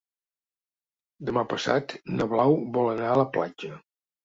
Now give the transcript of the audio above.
Demà passat na Blau vol anar a la platja.